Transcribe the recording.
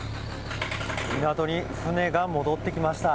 港に船が戻ってきました。